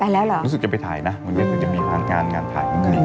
ไปแล้วหรอรู้สึกจะไปถ่ายนะวันนี้จะมีงานถ่ายอยู่นี่